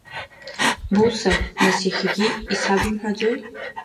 Буца, нас иахьагьы исабымҳәаӡои?